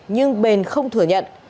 nhưng bền không thừa nhận